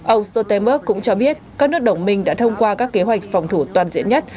ông stoltenberg cũng cho biết các nước đồng minh đã thông qua các kế hoạch phòng thủ toàn diện nhất